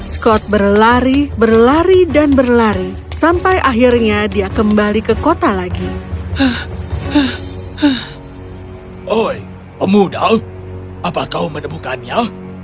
scott berlari berlari dan berlari sampai akhirnya dia kembali ke kota lagi pemuda apakah